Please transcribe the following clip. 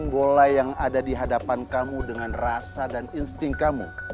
bola yang ada di hadapan kamu dengan rasa dan insting kamu